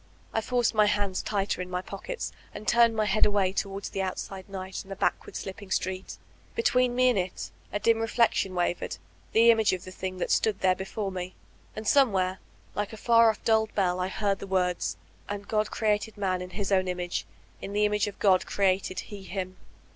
I forced my hands tighter in my pockets and turned my head away towards the outside night and the bade ward slipping street Between me and it, a dim reflec* tion wavered, the image of the thing that stood there before me; and somewhere, like a far off, dulled bell, I heard the words, ''And God created man in hb own inn age, in the image of God created He him.''